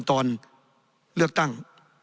ตอนเลือกตั้ง